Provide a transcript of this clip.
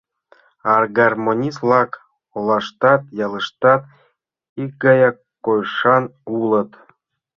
А гармонист-влак олаштат, ялыштат икгаяк койышан улыт.